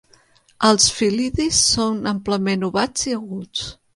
Els fil·lidis són amplament ovats i aguts.